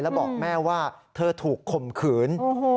แล้วบอกแม่ว่าเธอถูกข่มขืน